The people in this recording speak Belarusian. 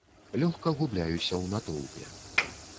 Лёгка губляюся ў натоўпе.